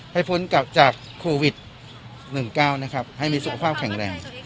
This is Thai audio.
พ้นกลับจากโควิด๑๙นะครับให้มีสุขภาพแข็งแรง